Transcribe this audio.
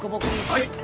はい！